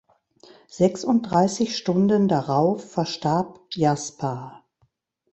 Sechsunddreißig Stunden darauf verstarb Jaspar.